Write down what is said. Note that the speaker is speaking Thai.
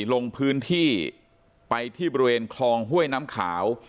ลงพื้นที่ไปที่บริเวณคลองห้วยน้ำขาว